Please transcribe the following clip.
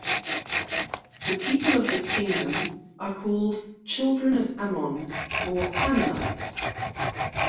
The people of this kingdom are called "Children of Ammon" or "Ammonites".